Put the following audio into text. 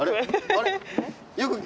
あれ？